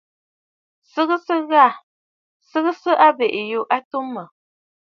Sɨgɨsə ghâ! Sɨgɨgɨsə abèʼè yû a atu mə̀.